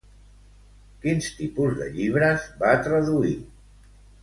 Quins tipus de llibres va traduir?